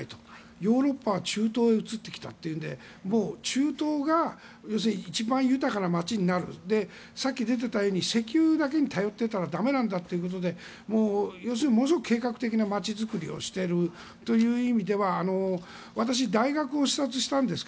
ヨーロッパは中東へ移ってきたというのでもう中東が一番豊かな街になるさっき出ていたように石油だけに頼っていたら駄目なんだということで要するに、ものすごく計画的な街づくりをしているという意味では私、大学を視察したんですが。